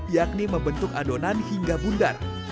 yakni membentuk adonan hingga bundar